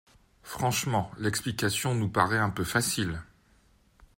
Franchement, l’explication nous paraît un peu facile.